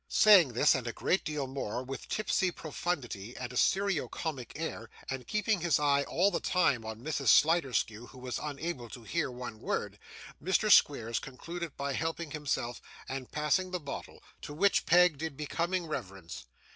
Saying this, and a great deal more, with tipsy profundity and a serio comic air, and keeping his eye all the time on Mrs. Sliderskew, who was unable to hear one word, Mr. Squeers concluded by helping himself and passing the bottle: to which Peg did becoming reverence.